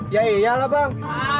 ya iya lah bang